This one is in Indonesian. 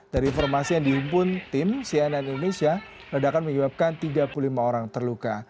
dari informasi yang dihimpun tim cnn indonesia ledakan menyebabkan tiga puluh lima orang terluka